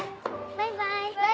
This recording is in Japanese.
バイバイ。